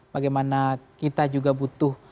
bagaimana kita juga butuh